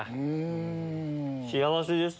幸せです。